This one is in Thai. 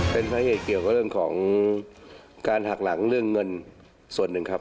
เป็นสาเหตุเกี่ยวกับเรื่องของการหักหลังเรื่องเงินส่วนหนึ่งครับ